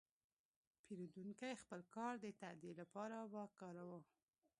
پیرودونکی خپل کارت د تادیې لپاره وکاراوه.